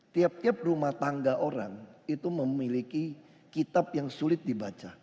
tiap tiap rumah tangga orang itu memiliki kitab yang sulit dibaca